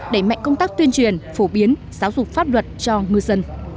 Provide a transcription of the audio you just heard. đẩy mạnh công tác tuyên truyền phổ biến giáo dục pháp luật cho ngư dân